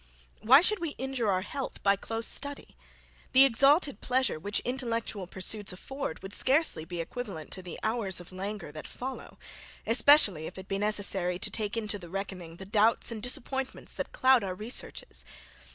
Why should we injure our health by close study? The exalted pleasure which intellectual pursuits afford would scarcely be equivalent to the hours of languor that follow; especially, if it be necessary to take into the reckoning the doubts and disappointments that cloud our researches.